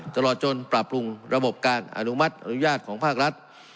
ตลอดจนปรับปรุงระบบการอนุมัติอนุญาตของภาครัฐ